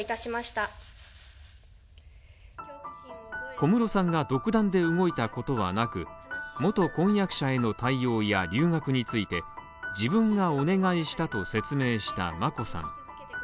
小室さんが独断で動いたことはなく元婚約者への対応や留学について自分がお願いしたと説明した眞子さん。